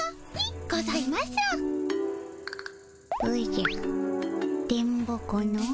おじゃ電ボ子のう。